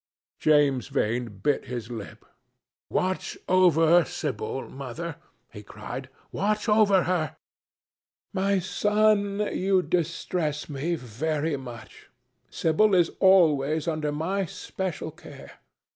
James Vane bit his lip. "Watch over Sibyl, Mother," he cried, "watch over her." "My son, you distress me very much. Sibyl is always under my special care.